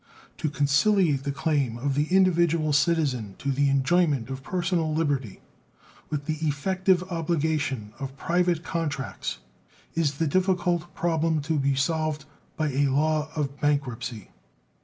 To conciliate the claim of the individual citizen to the enjoyment of personal liberty, with the effective obligation of private contracts, is the difficult problem to be solved by a law of bankruptcy.